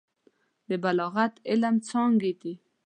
د بلاغت علم څانګې دي.